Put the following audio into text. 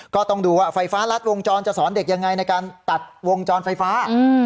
ก็ต้องดูว่าไฟฟ้ารัดวงจรจะสอนเด็กยังไงในการตัดวงจรไฟฟ้า